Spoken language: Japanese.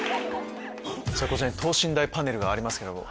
こちらに等身大パネルがありますけども。